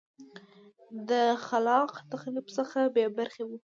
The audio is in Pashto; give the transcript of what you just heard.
د خلاق تخریب څخه بې برخې وه